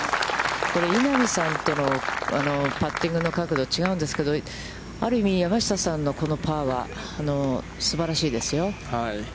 稲見さんとのパッティングの角度が違うんですけれども、ある意味、山下さんのこのパーは、すばらしいですよ。